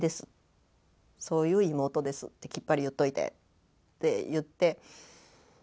そういう妹ですってきっぱり言っといてって言って。